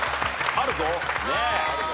あるぞ。